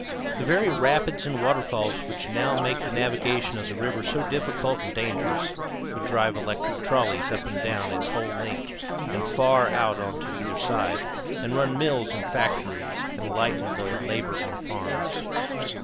The very rapids and waterfalls which now make the navigation of the river so difficult and dangerous would drive electric trolleys up and down its whole length and far out on either side, and run mills and factories, and lighten the labor on farms.